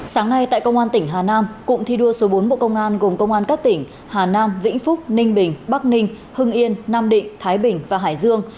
sáng nay tại công an tỉnh hà nam cụm thi đua số bốn bộ công an gồm công an các tỉnh hà nam vĩnh phúc ninh bình bắc ninh hưng yên nam định thái bình và hải dương